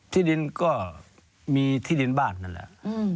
ที่ดินก็มีที่ดินบ้านนั่นแหละ